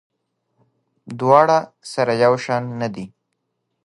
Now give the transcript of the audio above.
دواړه سره یو شان نه دي.